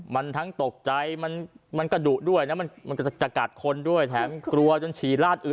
ไม่ได้